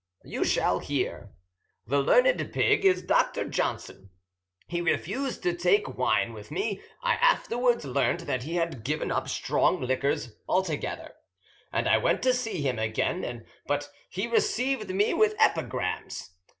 "You shall hear. The learned pig is Dr. Johnson. He refused to take wine with me. I afterwards learnt that he had given up strong liqueurs altogether, and I went to see him again, but he received me with epigrams.